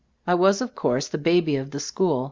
I was, of course, the baby of the school.